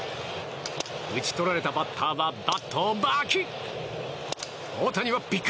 打ち取られたバッターはバットをバキッ。